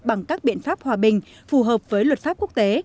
bằng các biện pháp hòa bình phù hợp với luật pháp quốc tế